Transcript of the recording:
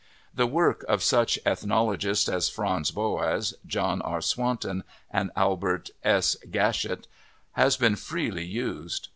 The work of such ethnologists as Franz Boas, John R. Swanton, and Albert S. Gatschet has been freely used.